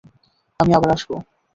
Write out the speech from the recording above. আমি আবার আসবো।